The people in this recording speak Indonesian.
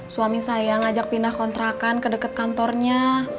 suami saya ngajak pindah kontrakan ke dekat kantornya